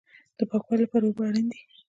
د پاکوالي لپاره اوبه اړین دي